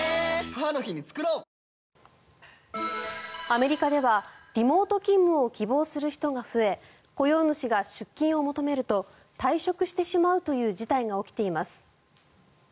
アメリカではリモート勤務を希望する人が増え雇用主が出勤を求めると退職してしまうという事態が起きています。